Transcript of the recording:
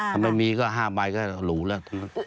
ถ้าไม่มีก็๕ใบก็หรูแล้ว